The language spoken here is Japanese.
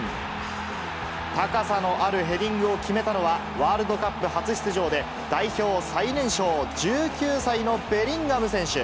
高さのあるヘディングを決めたのは、ワールドカップ初出場で代表最年少、１９歳のベリンガム選手。